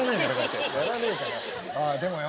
でもよ